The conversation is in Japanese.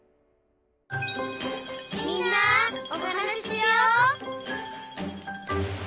「みんなおはなししよう」